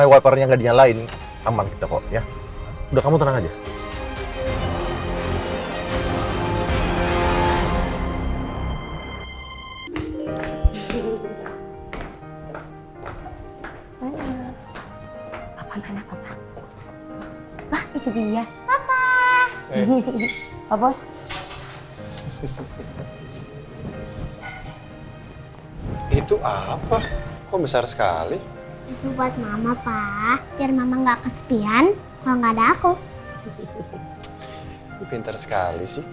itu apa kok besar sekali buat mama pak biar mama nggak kesepian kalau nggak ada aku pinter sekali